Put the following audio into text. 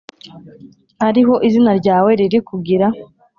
Ari ho izina ryawe riri kugira